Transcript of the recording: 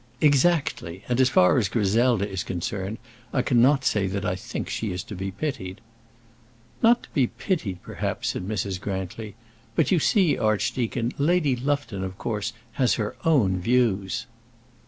"Exactly; and as far as Griselda is concerned, I cannot say that I think she is to be pitied." "Not to be pitied, perhaps," said Mrs. Grantly. "But, you see, archdeacon, Lady Lufton, of course, has her own views."